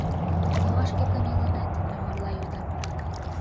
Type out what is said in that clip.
— Мо вашке кынелынат? — мый марла йодам.